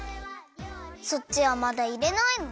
そっちはまだいれないの？